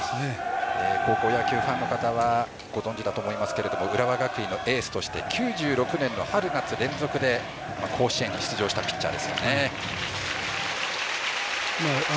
高校野球ファンの方はご存知だと思いますが浦和学院のエースとして９６年の春夏連続で甲子園に出場したピッチャーです。